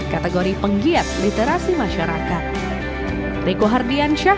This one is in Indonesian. melalui penggiat literasi masyarakat